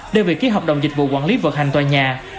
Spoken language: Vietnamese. đều bị ký hợp đồng dịch vụ quản lý vận hành tòa nhà